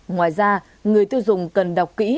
ngoài ra người tiêu dùng cần đọc kỹ